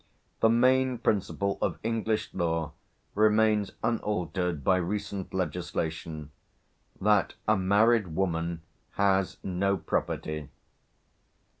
The main principle of English law remains unaltered by recent legislation, that "a married woman has no property."